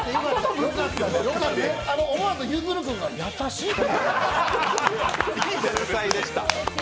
思わず、ゆずる君が「優しい」って。